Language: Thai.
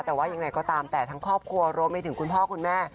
แต่ว่ายังไงก็ตามแต่ทั้งครอบครัวรวมไปถึงคุณพ่อคุณแม่